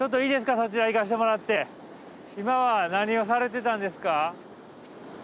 そちらへ行かしてもらって今は何をされてたんですか？